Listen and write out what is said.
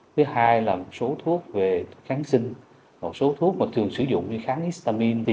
thứ hai là một số thuốc về kháng sinh một số thuốc mà thường sử dụng như kháng histamine